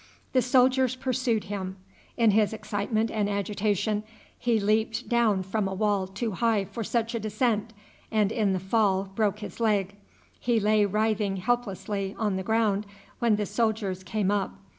The soldiers pursued him. In his excitement and agitation he leaped down from a wall too high for such a descent, and, in his fall, broke his leg. He lay writhing helplessly on the ground when the soldiers came up.